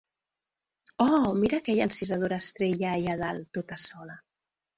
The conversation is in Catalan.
Oh, mira aquella encisadora estrella allà a dalt, tota sola.